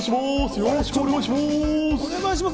よろしくお願いします。